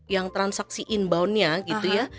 yang transaksi inboundnya gitu ya